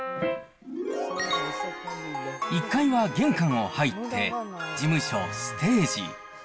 １階は玄関を入って、事務所、ステージ。